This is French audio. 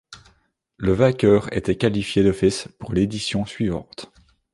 Le vainqueur était qualifié d'office pour l'édition suivante.